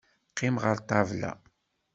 Qqim ɣer ṭṭabla.